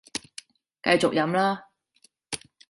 繼續飲啦